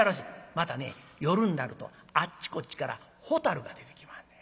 またね夜になるとあっちこっちからホタルが出てきまんねん。